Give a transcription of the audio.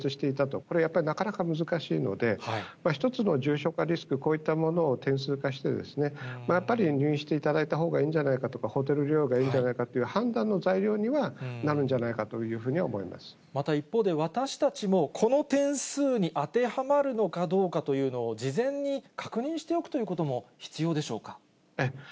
これやっぱりなかなか難しいので、一つの重症化リスク、こういったものを点数化してですね、やっぱり入院していた方がいいんじゃないかとか、ホテル療養がいいんじゃないかという判断の材料にはなるんじゃないかというまた一方で、私たちもこの点数に当てはまるのかどうかというのは、事前に確認しておくというのも必要でしょうか。